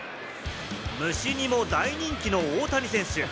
虫にも大人気の大谷選手。